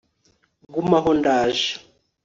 guma aho ndaje